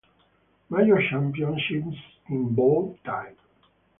Major championships in bold type.